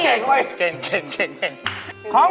เก่งเก่งเก่ง